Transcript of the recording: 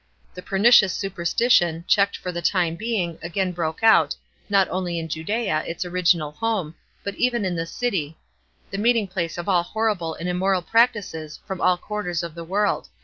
The pernicious superstition, checked for the time being, again broke out, not only in Ju«l«a, its original home, but even in the city, the meeting place of all horrible and immoral practices from all quarters of the world."